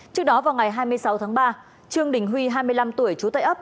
trước đó vào ngày hai mươi sáu tháng ba trương đình huy hai mươi năm tuổi chú tây ấp